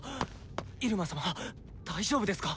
入間様大丈夫ですか？